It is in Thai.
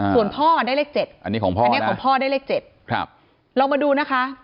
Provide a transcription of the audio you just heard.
ส่วนพ่อได้เลข๗อันนี้ของพ่อได้เลข๗เรามาดูนะคะ